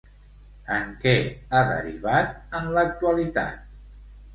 En què ha derivat, en l'actualitat?